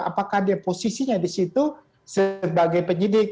apakah dia posisinya di situ sebagai penyidik